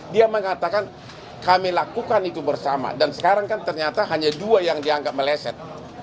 dia mengatakan kami lakukan itu bersama dan sekarang kan ternyata hanya dua yang dianggap meleset